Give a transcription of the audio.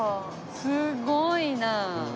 すごいな。